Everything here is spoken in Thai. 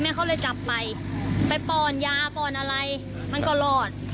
เขาเลยจับไปไปป้อนยาป้อนอะไรมันก็รอด